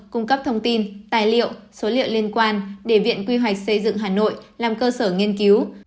cung cấp thông tin tài liệu số liệu liên quan để viện quy hoạch xây dựng hà nội làm cơ sở nghiên cứu